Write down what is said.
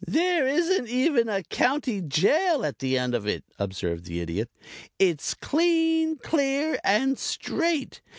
"There isn't even a county jail at the end of it," observed the Idiot. "It's clean, clear and straight.